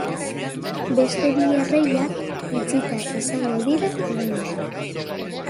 Beste bi erreiak itxita izango dira oraindik.